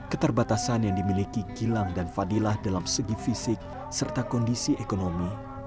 keterbatasan yang dimiliki gilang dan fadilah dalam segi fisik serta kondisi ekonomi